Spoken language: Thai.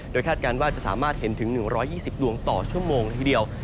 คาดการณ์ว่าจะสามารถเห็นถึง๑๒๐ดวงต่อชั่วโมงละทีเดียว